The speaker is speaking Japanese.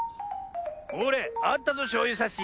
ほれあったぞしょうゆさし。